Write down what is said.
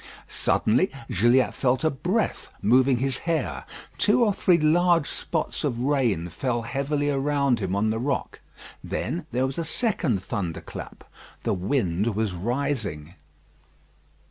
Suddenly Gilliatt felt a breath moving his hair. Two or three large spots of rain fell heavily around him on the rock. Then there was a second thunder clap. The wind was rising.